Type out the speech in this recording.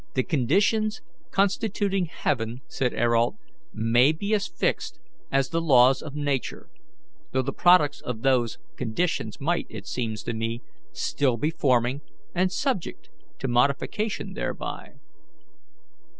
"The conditions constituting heaven," said Ayrault, "may be as fixed as the laws of Nature, though the products of those conditions might, it seems to me, still be forming and subject to modification thereby.